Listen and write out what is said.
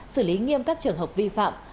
xử lý nghiêm các trường hợp vi phạm